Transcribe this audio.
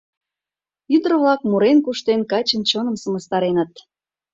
Ӱдыр-влак, мурен, куштен, качын чоным сымыстареныт.